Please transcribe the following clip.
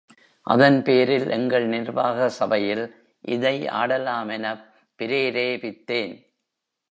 அதன்பேரில் எங்கள் நிர்வாக சபையில் இதை ஆடலாமெனப் பிரேரேபித்தேன்.